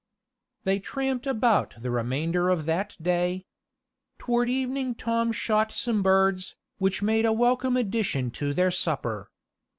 They tramped about the remainder of that day. Toward evening Tom shot some birds, which made a welcome addition to their supper.